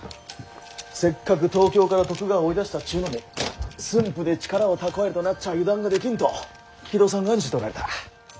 せっかく東京から徳川を追い出したっちゅうのに駿府で力を蓄えるとなっちゃ油断ができんと木戸さんが案じておられた。